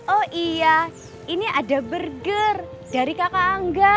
oh iya ini ada burger dari kakak angga